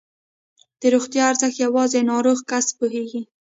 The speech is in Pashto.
د روغتیا ارزښت یوازې ناروغ کس پوهېږي.